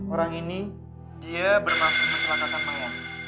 orang ini dia bernasib mencelakakan mayang